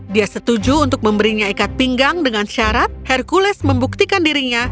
dia setuju untuk memberinya ikat pinggang dengan syarat hercules membuktikan dirinya